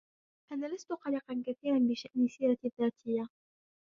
أنا لستُ قلقاً كثيراً بشأن سيرتي الذاتية.